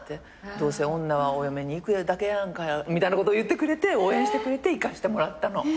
「どうせ女はお嫁に行くだけやんか」みたいなこと言ってくれて応援してくれて行かせてもらったの。